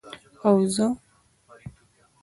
او زه،